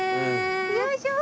よいしょー！